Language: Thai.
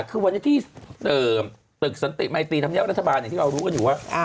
คือวันนี้ที่ตึกสันติมัยตีธรรมเนียบรัฐบาลที่เรารู้กันอยู่ว่า